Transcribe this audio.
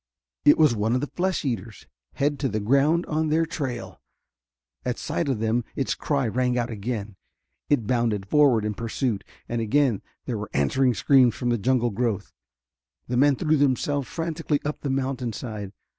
It was one of the flesh eaters, head to the ground on their trail. At sight of them its cry rang out again. It bounded forward in pursuit. And again there were answering screams from the jungle growth. The men threw themselves frantically up the mountainside.